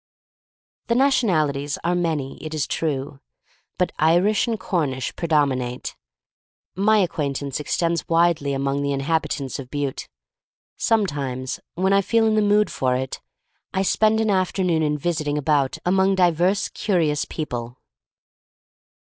The nationalities are many, it is true, but Irish and Cornish predominate. My acquaintance extends widely among the inhabitants of Butte. Sometimes when I feel in the mood for it I spend III r 112 THE STORY OF MARY MAC LANE an afternoon in visiting about among^ divers curious people.